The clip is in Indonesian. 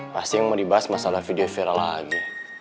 pasti mau dibahas masalah video viral lagi